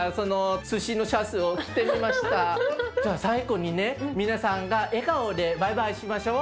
じゃあ最後にね皆さんが笑顔でバイバイしましょう。